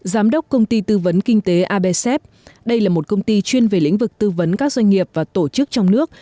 giám đốc công ty tư vấn kinh tế absep đây là một công ty chuyên về lĩnh vực tư vấn các doanh nghiệp và tổ chức trong nước